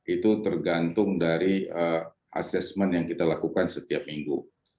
itu tergantung dari assessment yang kita lakukan setiap minggu